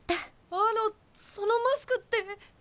あのそのマスクって。